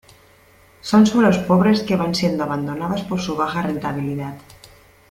Son suelos pobres que van siendo abandonados por su baja rentabilidad.